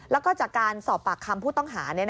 แล้วก็จากการสอบปากคำผู้ต้องหา